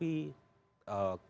itu jawatan kereta api